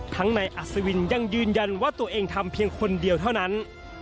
นายอัศวินยังยืนยันว่าตัวเองทำเพียงคนเดียวเท่านั้น